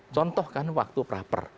contohkan waktu praper